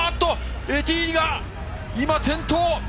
エティーリが今転倒！